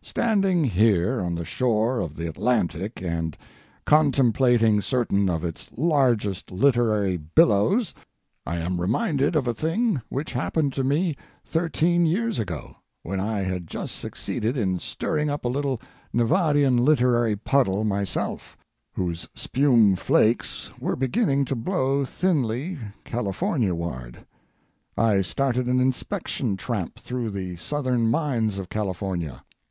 Standing here on the shore of the Atlantic and contemplating certain of its largest literary billows, I am reminded of a thing which happened to me thirteen years ago, when I had just succeeded in stirring up a little Nevadian literary puddle myself, whose spume flakes were beginning to blow thinly Californiaward. I started an inspection tramp through the southern mines of California.